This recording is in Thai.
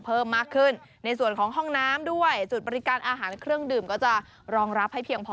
เพิ่มมากขึ้นในส่วนของห้องน้ำด้วยจุดบริการอาหารเครื่องดื่มก็จะรองรับให้เพียงพอ